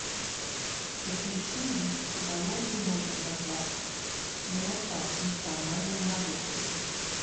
Такім чынам цыталогію можна назваць морфафункцыянальнай навукай.